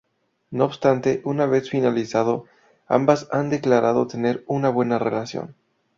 No obstante, una vez finalizado, ambas han declarado tener una buena relación.